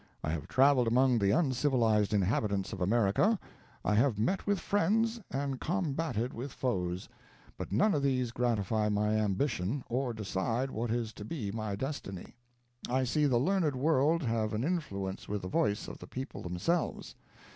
I have traveled among the uncivilized inhabitants of America. I have met with friends, and combated with foes; but none of these gratify my ambition, or decide what is to be my destiny. I see the learned world have an influence with the voice of the people themselves.